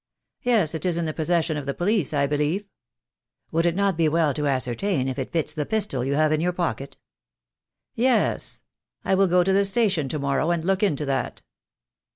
"Yes, it is in the possession of the police, I believe." "Would it not be well to ascertain if it fits the pistol you have in your pocket?" THE DAY WILL C@ME. I 7 I "Yes. I will go to the station to morrow and look into that."